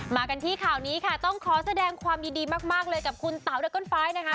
มากันที่ข่าวนี้ค่ะต้องขอแสดงความยินดีมากเลยกับคุณเต๋าและก้นฟ้ายนะคะ